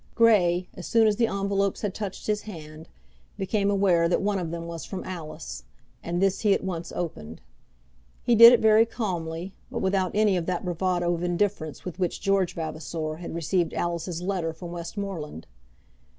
Grey, as soon as the envelopes had touched his hand, became aware that one of them was from Alice, and this he at once opened. He did it very calmly, but without any of that bravado of indifference with which George Vavasor had received Alice's letter from Westmoreland.